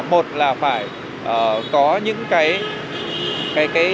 một là phải có những cái